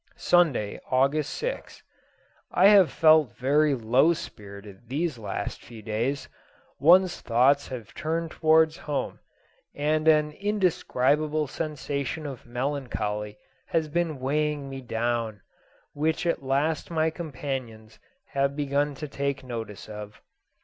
Sunday, August 6th. I have felt very low spirited these last few days. One's thoughts have turned towards home, and an indescribable sensation of melancholy has been weighing me down, which at last my companions have begun to take notice of.